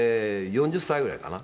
４０歳ぐらいかな」